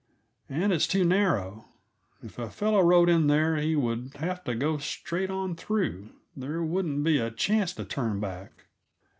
"And it's too narrow. If a fellow rode in there he would have to go straight on through; there wouldn't be a chance to turn back."